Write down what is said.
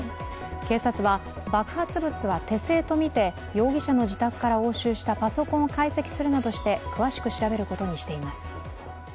警察は爆発物は手製とみて容疑者の自宅から押収したパソコンを解析するなどして詳しく調べることにしています。